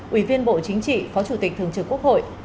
ủy viên bộ chính trị phó chủ tịch thường trực quốc hội